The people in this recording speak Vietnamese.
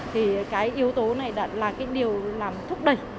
thì cái yếu tố này là cái điều làm thúc đẩy